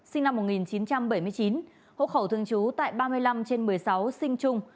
sinh năm một nghìn chín trăm bảy mươi chín hộ khẩu thường trú tại ba mươi năm trên một mươi sáu sinh trung